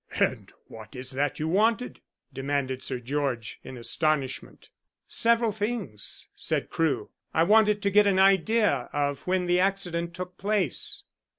"And what is that you wanted?" demanded Sir George, in astonishment. "Several things," said Crewe. "I wanted to get an idea of when the accident took place."